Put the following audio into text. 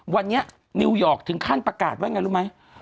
วันนี้นิวยอร์กถึงขั้นประกาศว่าไงรู้ไหม